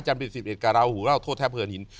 จรรพิษิตเกลาหูเล่าโทษแทบเผื่อหิน